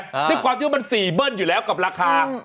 ด้วยความที่ว่ามัน๔เบิ้ลอยู่แล้วกับราคา